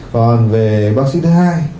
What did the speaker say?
còn về bác sĩ thứ hai